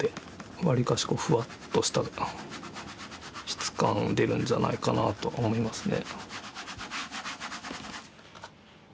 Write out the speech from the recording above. わりかしこうふわっとした質感出るんじゃないかなと思いますね。